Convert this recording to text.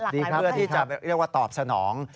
เพื่อที่จะเรียกว่าตอบสนอง